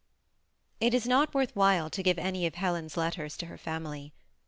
It is not worth while to give any of Helen's letters to her family.